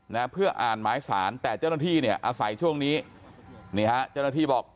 นะเพื่ออ่านหมายสารแต่เจ้าหน้าที่เนี่ยอาศัยช่วงนี้นี่ฮะเจ้าหน้าที่บอก